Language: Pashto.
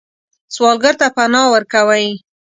سوالګر ته پناه ورکوئ